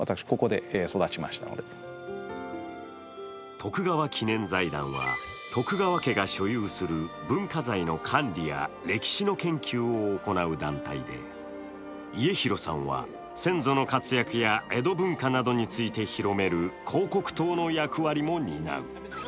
徳川記念財団は徳川家が所有する文化財の管理や歴史の研究を行う団体で家広さんは先祖の活躍や江戸文化などについて広める広告塔の役割も担う。